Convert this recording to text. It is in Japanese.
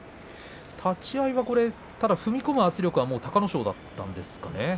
立ち合い、踏み込む圧力は隆の勝だったんですかね。